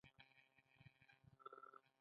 ایا زه باید د ځیګر ټسټ وکړم؟